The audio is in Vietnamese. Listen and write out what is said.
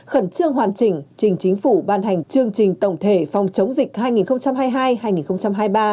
khẩn trương hoàn chỉnh trình chính phủ ban hành chương trình tổng thể phòng chống dịch hai nghìn hai mươi hai hai nghìn hai mươi ba